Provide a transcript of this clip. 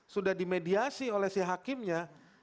sudah dimediasi oleh si hakimnya